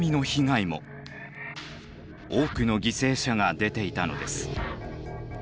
多くの犠牲者が出ていたのです。